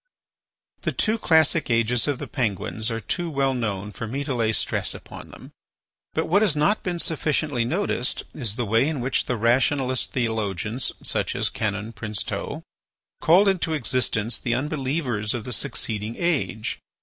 The two classic ages of the Penguins are too well known for me to lay stress upon them. But what has not been sufficiently noticed is the way in which the rationalist theologians such as Canon Princeteau called into existence the unbelievers of the succeeding age.